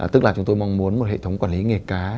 tức là chúng tôi mong muốn một hệ thống quản lý nghề cá